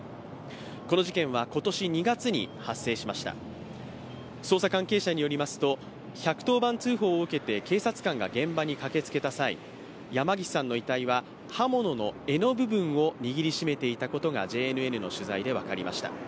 この事件は今年２月に発生しました捜査関係者によりますと、１１０番通報を受けて警察官が現場に駆けつけた際、山岸さんの遺体は刃物の柄の部分を握り締めていたことがＪＮＮの取材で分かりました。